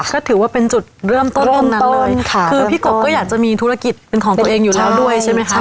ก็ถือว่าเป็นจุดเริ่มต้นตรงนั้นเลยค่ะคือพี่กบก็อยากจะมีธุรกิจเป็นของตัวเองอยู่แล้วด้วยใช่ไหมคะ